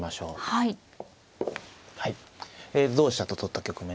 はい同飛車と取った局面ですね。